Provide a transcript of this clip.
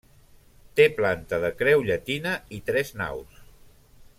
Té planta de creu llatina i tres naus.